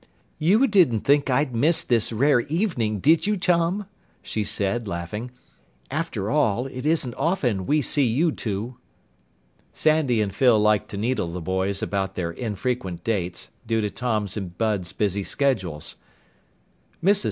"You didn't think I'd miss this rare evening, did you, Tom?" she said, laughing. "After all, it isn't often we see you two." Sandy and Phyl liked to needle the boys about their infrequent dates, due to Tom's and Bud's busy schedules. Mrs.